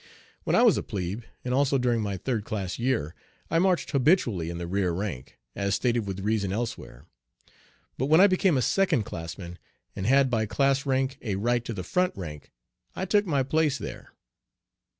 When I was a plebe, and also during my third class year, I marched habitually in the rear rank, as stated with reason elsewhere. But when I became a second classman, and had by class rank a right to the front rank, I took my place there.